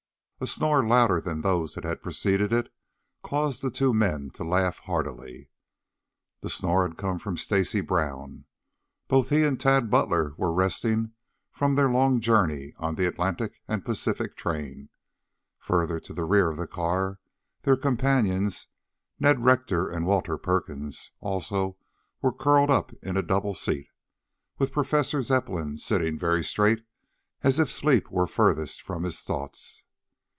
A snore louder than those that had preceded it, caused the two men to laugh heartily. The snore had come from Stacy Brown. Both he and Tad Butler were resting from their long journey on the Atlantic and Pacific train. Further to the rear of the car, their companions, Ned Rector and Walter Perkins, also were curled up in a double seat, with Professor Zepplin sitting very straight as if sleep were furthest from his thoughts.